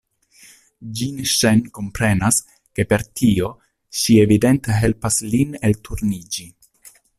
Jinŝeng komprenas, ke per tio ŝi evidente helpas lin elturniĝi.